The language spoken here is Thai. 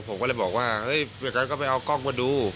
ผมก็เลยบอกว่าเฮ้ยอย่างนั้นก็ไปเอากล้องมาดู